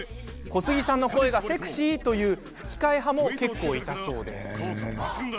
小杉さんの声がセクシー！という吹き替え派も結構いたそうですよ。